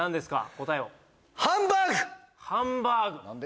答えをハンバーグ何で？